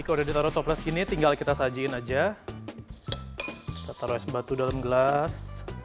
kalau udah ditaruh toples gini tinggal kita sajiin aja kita taruh es batu dalam gelas